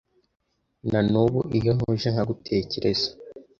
Nanubu iyo ntuje nkagutekereza